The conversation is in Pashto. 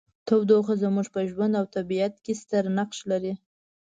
تودوخه زموږ په ژوند او طبیعت کې ستر نقش لري.